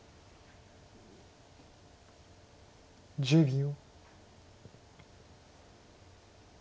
１０秒。